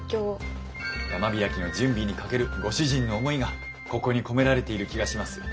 山開きの準備にかけるご主人の思いがここに込められている気がします。